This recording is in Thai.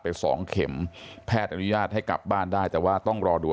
ไปสองเข็มแพทย์อนุญาตให้กลับบ้านได้แต่ว่าต้องรอดู